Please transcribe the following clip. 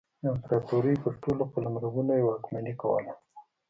د امپراتورۍ پر ټولو قلمرونو یې واکمني کوله.